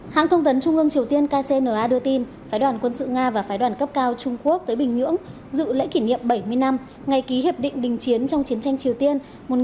hãng thông tấn trung ương triều tiên kcna đưa tin phái đoàn quân sự nga và phái đoàn cấp cao trung quốc tới bình nhưỡng dự lễ kỷ niệm bảy mươi năm ngày ký hiệp định đình chiến trong chiến tranh triều tiên một nghìn chín trăm năm mươi một nghìn chín trăm năm mươi ba